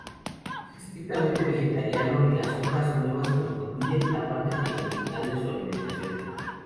Es estrictamente vegetariano y las hojas nuevas constituyen la parte fundamental de su alimentación.